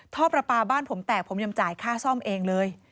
ท่อประปาบ้านผมแตกผมยังจ่ายค่าซ่อมเองเลย